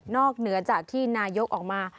เหนือจากที่นายกออกมา